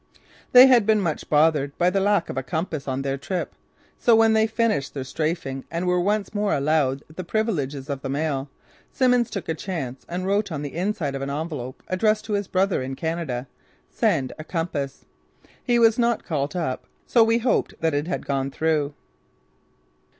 They had been much bothered by the lack of a compass on their trip; so when they finished their strafing and were once more allowed the privileges of the mail, Simmons took a chance and wrote on the inside of an envelope addressed to his brother in Canada: "Send a compass." He was not called up so we hoped that it had gone through.